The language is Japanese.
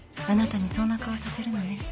あなたにそんな顔させるのね。